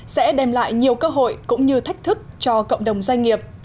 sẽ đem lại nhiều cơ hội cũng như thách thức cho cộng đồng doanh nghiệp